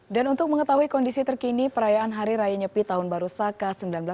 dan untuk mengetahui kondisi terkini perayaan hari raya nyepi tahun baru saka seribu sembilan ratus empat puluh